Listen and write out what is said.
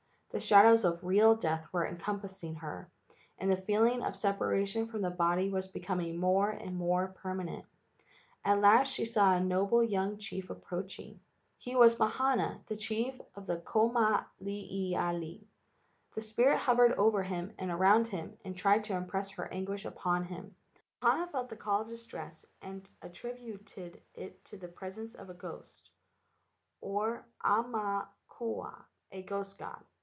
The shadows of real death were encompassing her, and the feeling of separation from the body was becoming more and more permanent. At last she saw a noble young chief approaching. KIHIKIHI . HAWAIIAN GHOST TESTING 87 He was Mahana, the chief of Kamoiliili. The spirit hovered over him and around him and tried to impress her anguish upon him. Mahana felt the call of distress, and attrib¬ uted it to the presence of a ghost, or aumakua, a ghost god.